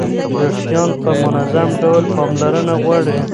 ویښتان په منظم ډول پاملرنه غواړي.